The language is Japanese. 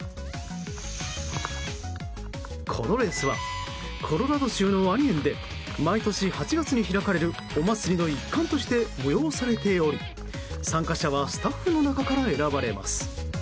このレースはコロラド州のワニ園で毎年８月に開かれるお祭りの一環として催されており参加者はスタッフの中から選ばれます。